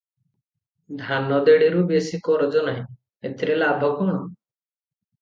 ଧାନ ଦେଢ଼ିରୁ ବେଶି କରଜା ନାହିଁ, ଏଥିରେ ଲାଭ କଣ?